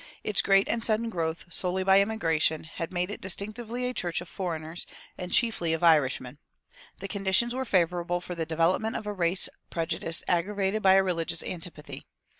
Its great and sudden growth solely by immigration had made it distinctively a church of foreigners, and chiefly of Irishmen. The conditions were favorable for the development of a race prejudice aggravated by a religious antipathy.